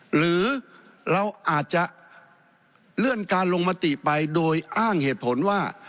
หรือเราอาจจะเลื่อนการลงมติไปโดยอ้างเหตุผลว่า